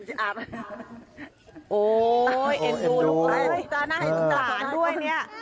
อาจารย์ด้วยเนี่ย